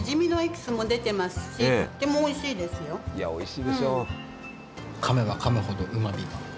いやおいしいでしょう！